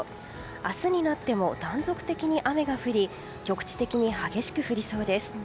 明日になっても断続的に雨が降り局地的に激しく降りそうです。